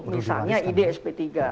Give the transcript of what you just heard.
misalnya ide sp tiga